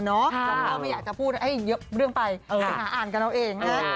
สองเรื่องไม่อยากจะพูดให้เยอะเรื่องไปอ่านกันเราเองนะ